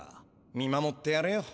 見守ってやれよ。